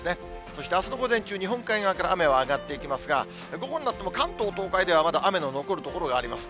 そしてあすの午前中、日本海側から雨は上がっていきますが、午後になっても関東、東海ではまだ雨の残る所があります。